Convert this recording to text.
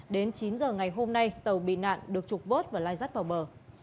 đến chín h ngày hôm nay tàu bị nạn được trục vốt và lai rắt vào bờ